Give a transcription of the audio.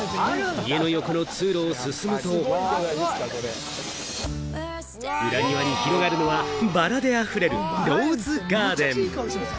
家の横の通路を進むと、裏庭に広がるのはバラで溢れるローズガーデン。